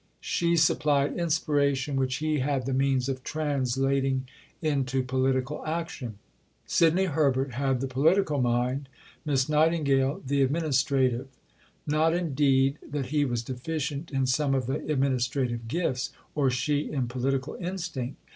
She supplied inspiration which he had the means of translating into political action. Sidney Herbert had the political mind; Miss Nightingale, the administrative. Not indeed that he was deficient in some of the administrative gifts, or she in political instinct.